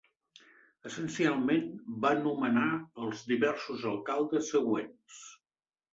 Essencialment, va nomenar els diversos alcaldes següents.